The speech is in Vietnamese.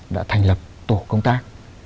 đã thành lập tổ công tác